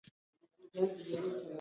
په مخه مو ښه خدای مو مل شه